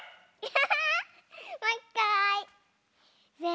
ハハハハ！